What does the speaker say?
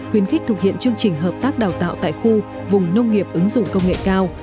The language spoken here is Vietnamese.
khuyến khích thực hiện chương trình hợp tác đào tạo tại khu vùng nông nghiệp ứng dụng công nghệ cao